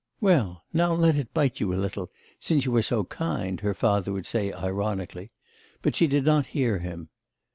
'Well, now let it bite you a little, since you are so kind,' her father would say ironically; but she did not hear him.